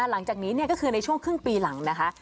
หลังจากนี้ก็คือในช่วงครึ่งปีหลังนะคะ